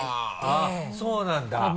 あっそうなんだ写真も。